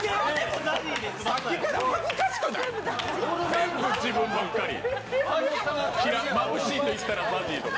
全部自分ばっかり。